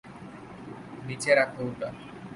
নিচে রাখো ওটা।